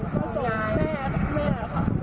ส่งร้าย